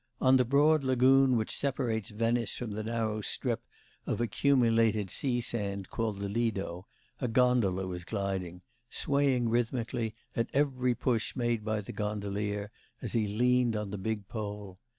On the broad lagoon which separates Venice from the narrow strip of accumulated sea sand, called the Lido, a gondola was gliding swaying rhythmically at every push made by the gondolier as he leaned on the big pole.